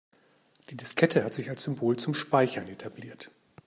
Die Diskette hat sich als Symbol zum Speichern etabliert.